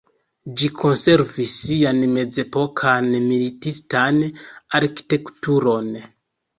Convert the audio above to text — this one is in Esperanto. Ĝi konservis sian mezepokan militistan arkitekturon.